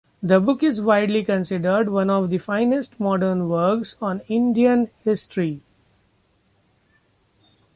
The book is widely considered one of the finest modern works on Indian history.